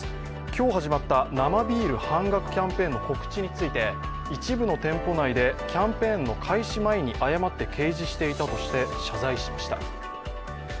今日始まった生ビール半額キャンペーンの告知について一部の店舗内でキャンペーンの開始前に誤って掲示していたとして謝罪しました。